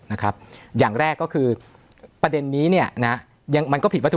นะครับอย่างแรกก็คือประเด็นนี้เนี่ยนะยังมันก็ผิดวัตถุ